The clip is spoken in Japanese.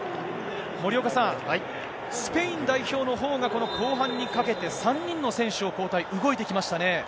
森岡さん、スペイン代表のほうが後半にかけて、３人の選手を交代、動いてきましたね。